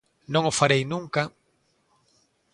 Non o farei nunca.